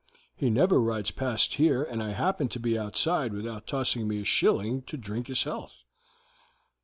He never rides past here and I happen to be outside without tossing me a shilling to drink his health."